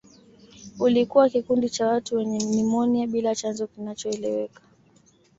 Ulikuwa kikundi cha watu wenye nimonia bila chanzo kinachoeleweka